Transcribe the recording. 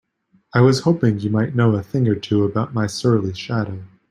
I was hoping you might know a thing or two about my surly shadow?